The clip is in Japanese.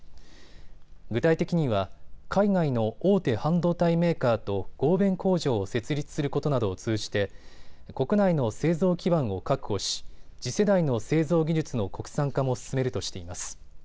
具体的には海外の大手半導体メーカーと合弁工場を設立することなどを通じて国内の製造基盤を確保し次世代の製造技術の国産化も進めるとしています。